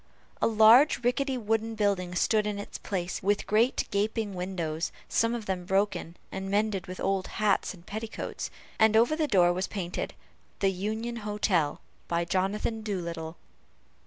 A large rickety wooden building stood in its place, with great gaping windows, some of them broken, and mended with old hats and petticoats, and over the door was painted, "The Union Hotel, by Jonathan Doolittle."